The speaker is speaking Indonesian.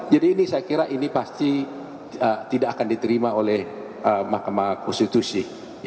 jadi ini saya kira ini pasti tidak akan diterima oleh mahkamah konstitusi